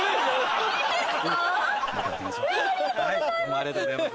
ありがとうございます！